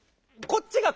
こっちは？